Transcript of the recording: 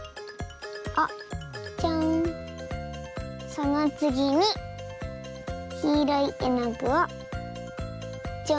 そのつぎにきいろいえのぐをちょん。